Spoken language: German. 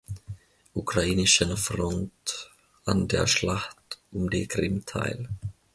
Ukrainischen Front an der Schlacht um die Krim teil.